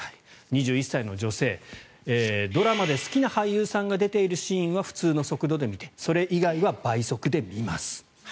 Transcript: ２１歳女性、ドラマで好きな俳優さんが出ているシーンは普通の速度で見てそれ以外は倍速で見ます。